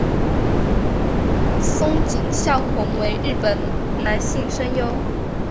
樱井孝宏为日本男性声优。